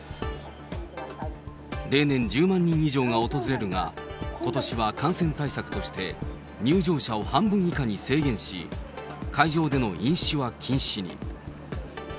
例年１０万人以上が訪れるが、ことしは感染症対策として、入場者を半分以下に制限し、会場での飲酒は禁止に。